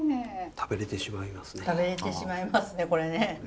食べれてしまいますねこれね。